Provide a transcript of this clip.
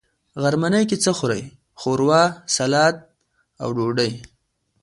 غرمنۍ کی څه خورئ؟ ښوروا، ، سلاډ او ډوډۍ